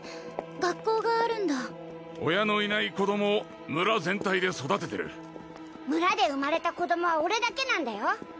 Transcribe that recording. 学校があるんだ親のいない子供を村全体で育ててる村で生まれた子供は俺だけなんだよ